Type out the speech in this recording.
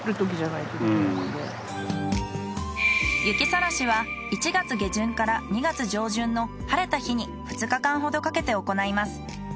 雪さらしは１月下旬から２月上旬の晴れた日に２日間ほどかけて行います。